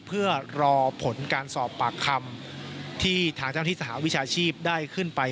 เพื่อรอผลการสอบปากคำที่ทางเจ้าที่สหวิชาชีพได้ขึ้นไป